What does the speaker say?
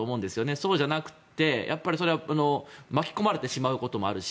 そうじゃなくて巻き込まれてしまうこともあるし